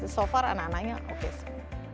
so far anak anaknya oke sih